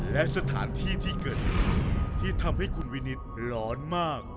และสถานที่ที่เกิดเหตุที่ทำให้คุณวินิตร้อนมาก